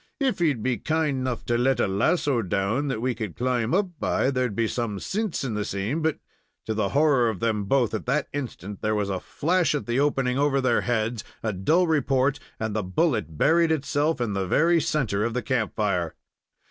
If he'd be kind 'nough to let a lasso down that we could climb up by, there'd be some sinse in the same, but " To the horror of both, at that instant there was a flash at the opening over their heads, a dull report, and the bullet buried itself in the very centre of the camp fire.